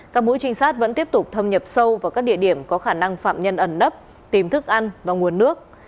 các mũi trinh sát vẫn tiếp tục thâm nhập sâu vào các địa điểm có khả năng phạm nhân ẩn nấp tìm thức ăn và nguồn nước